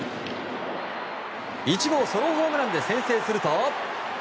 １号ソロホームランで先制すると。